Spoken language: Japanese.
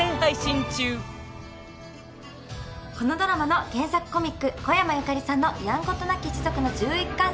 このドラマの原作コミックこやまゆかりさんの『やんごとなき一族』の１１巻セットを。